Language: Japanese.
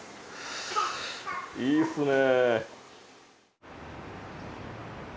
いいっすね。